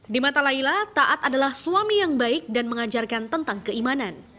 di mata laila taat adalah suami yang baik dan mengajarkan tentang keimanan